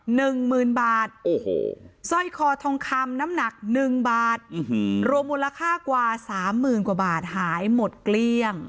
หนึ่งหมื่นบาทโอ้โหสร้อยคอทองคำน้ำหนักหนึ่งบาทรวมมูลค่ากว่าสามหมื่นกว่าบาทหายหมดเกลี้ยง